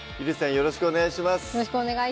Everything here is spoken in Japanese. よろしくお願いします